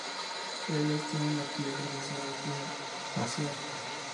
Ellos tienen la piel grisácea facial.